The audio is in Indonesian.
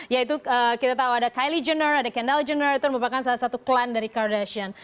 yaitu kita tahu ada kylie jenner ada kendal gener itu merupakan salah satu klan dari kardashion